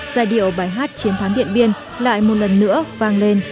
giai điệu bài hát chiến thắng điện biên lại một lần nữa vang lên